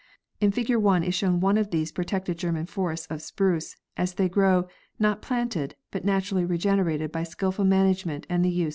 In fig ure 1 is shown one of these protected German forests of spruce, as they grow, not planted, but naturally regenerated by skillful management and use of the axe.